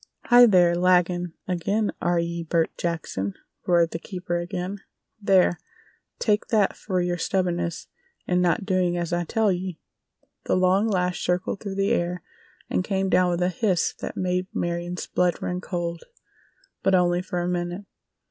"Hi, there! Laggin' ag'in, air ye, Bert Jackson!" roared the keeper again. "There! Take that fer yer stubbornness in not doin' as I tell ye!" The long lash circled through the air and came down with a hiss that made Marion's blood run cold—but only for a minute.